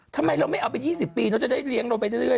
ทำไมเราไม่เอาไป๒๐ปีเราจะได้เลี้ยงเราไปเรื่อย